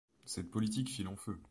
Cette politique fit long feu.